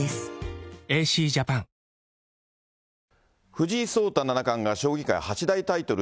藤井聡太七冠が将棋界八大タイトル